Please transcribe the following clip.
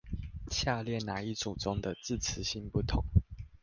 下列那一組中的字詞性不同？